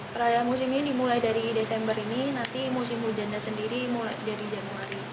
perayaan musim ini dimulai dari desember ini nanti musim hujannya sendiri mulai dari januari